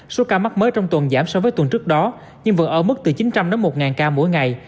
số ca mắc mới trong tuần giảm so với tuần trước đó nhưng vẫn ở mức từ chín trăm linh đến một ca mỗi ngày